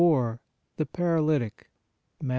THE PARALYTIC Mat.